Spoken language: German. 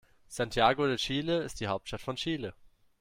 Santiago de Chile ist die Hauptstadt von Chile.